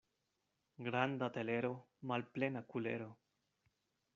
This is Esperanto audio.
Granda telero, malplena kulero.